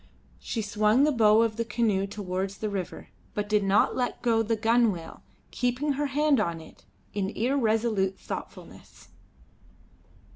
She swung the bow of the canoe towards the river, but did not let go the gunwale, keeping her hand on it in irresolute thoughtfulness.